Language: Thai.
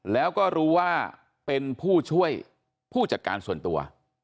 แล้วก็รู้ว่าเป็นผู้ช่วยผู้จัดการส่วนตัว